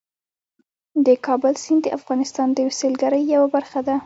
د کابل سیند د افغانستان د سیلګرۍ یوه برخه ده.